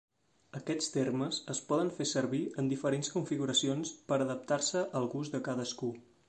Aquests termes es poden fer servir en diferents configuracions per adaptar-se al gust de cadascú.